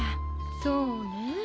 そうねぇ。